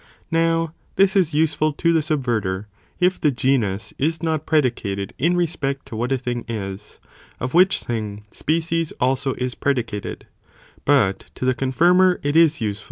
Now this is useful * i. e. the as sumed genus to the subverter, if the genus is not predicated in respect to what a thing is, of which thing, species eee also is predicated,' but to the confirmer it is use te.